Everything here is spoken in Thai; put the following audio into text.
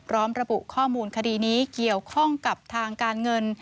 ระบุข้อมูลคดีนี้เกี่ยวข้องกับทางการเงิน